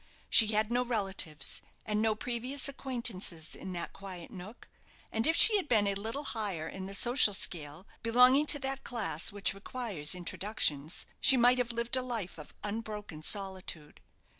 She had no relatives, and no previous acquaintances in that quiet nook; and if she had been a little higher in the social scale, belonging to that class which requires introductions, she might have lived a life of unbroken solitude.